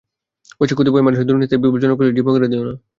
বৈশাখ, কতিপয় মানুষের দুর্নীতির হাতে বিপুল জনগোষ্ঠীকে জিম্মি করে দিয়ো না।